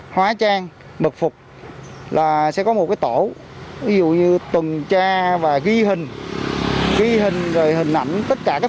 hóa trang mật phục là sẽ có một tổ ví dụ như tuần tra và ghi hình ghi hình rồi hình ảnh tất cả các